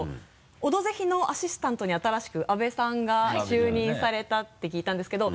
「オドぜひ」のアシスタントに新しく阿部さんが就任されたって聞いたんですけど。